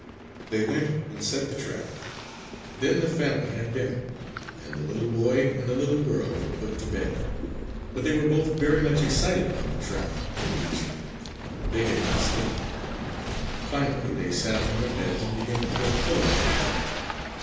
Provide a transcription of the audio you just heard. They went and set the trap. Then the family had dinner, and the little boy and the little girl were put to bed. But they were both very much excited about the trap and the weasel. They could not sleep. Finally they sat up in their beds and began to throw pillows at each other.